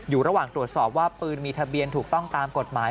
อยู่ระหว่างตรวจสอบว่าปืนมีทะเบียนถูกต้องตามกฎหมาย